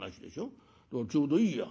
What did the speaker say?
ちょうどいいや。